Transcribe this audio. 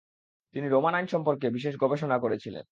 তিনি রোমান আইন সম্পর্কে বিশেষ গবেষণা করেছিলেন।